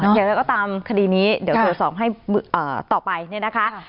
อ๋อเนี่ยก็ตามคดีนี้เดี๋ยวสอบให้ต่อไปเนี่ยนะคะ